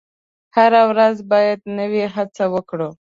هره ورځ باید نوې هڅه وکړو.